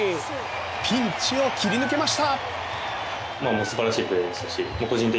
ピンチを切り抜けました。